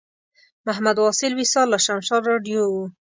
محمد واصل وصال له شمشاد راډیو و.